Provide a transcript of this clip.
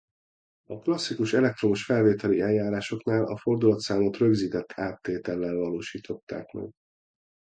A klasszikus elektromos felvételi eljárásoknál a fordulatszámot rögzített áttétellel valósították meg.